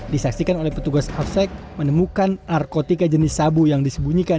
disaksikan oleh petugas hafsec menemukan narkotika jenis sabu yang disembunyikan